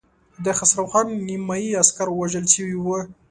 د خسرو خان نيمايي عسکر وژل شوي وو.